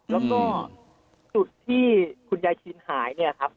แล้วก็จุดที่คุณยายชินหายเนี่ยครับ